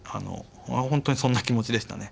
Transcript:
ホントにそんな気持ちでしたね。